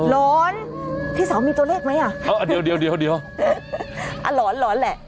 อ๋อร้อนที่เสามีตัวเลขไหมอ่ะอ๋อเดี๋ยวเดี๋ยวเดี๋ยวเดี๋ยวอ๋อร้อนร้อนแหละ